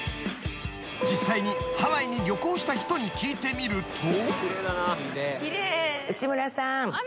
［実際にハワイに旅行した人に聞いてみると］